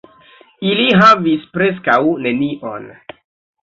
Ili havis preskaŭ nenion.